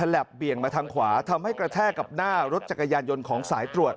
เบี่ยงมาทางขวาทำให้กระแทกกับหน้ารถจักรยานยนต์ของสายตรวจ